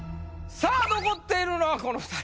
さあ残っているのはこの二人。